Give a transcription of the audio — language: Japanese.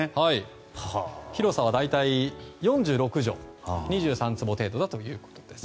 広さは大体４６畳２３坪程度だということです。